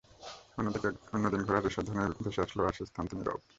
অন্যদিন ঘোড়ার হ্রেষা ধ্বনি ভেসে আসলেও আজ সে স্থানটি নীরব।